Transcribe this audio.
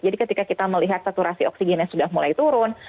jadi ketika kita melihat saturasi oksigennya sudah mulai turun